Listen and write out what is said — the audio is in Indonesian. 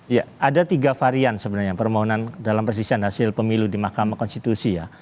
ya ada tiga varian sebenarnya permohonan dalam perselisihan hasil pemilu di mahkamah konstitusi ya